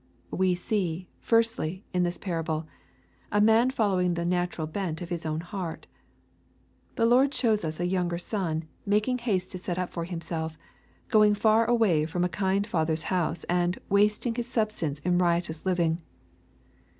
We see, firstly, in this parable, a man following the J^ naiuTol hent of Ma own heart. Our Lord shows us a "younger son" making haste to set ^p for himself, going far away from a kind father's house, and " wasting his substance in riotous living."